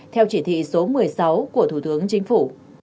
theo chỉ thị số một mươi sáu của thủ tướng chính phủ